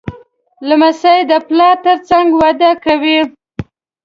لمسی د پلار تر څنګ وده کوي.